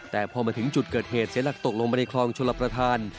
แต่พอมาถึงจุดเกิดเหตุเสียหลักตกลงไปในคลองชลประธาน